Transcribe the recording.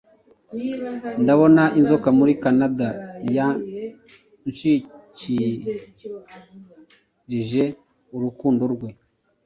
Ndabona Inzoka muri Kanada yanshikirije urukundo rwe,